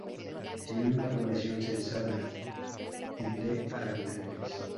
Tiene una población censada en de habitantes.